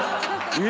え！